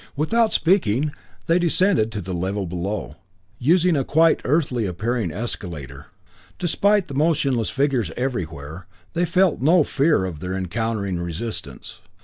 Without speaking, they descended to the level below, using a quite earthly appearing escalator. Despite the motionless figures everywhere, they felt no fear of their encountering resistance.